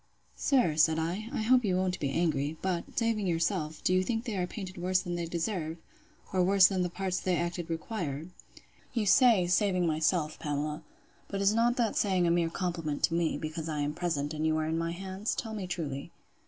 Sir, said I, I hope you won't be angry, but, saving yourself, do you think they are painted worse than they deserve? or worse than the parts they acted require? You say, saving myself, Pamela; but is not that saying a mere compliment to me, because I am present, and you are in my hands? Tell me truly.